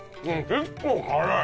結構辛い！